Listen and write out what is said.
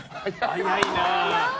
早いな！